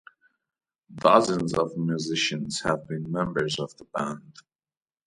Dozens of musicians have been members of the band.